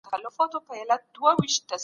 د ژوند حق خدای ورکړی دی.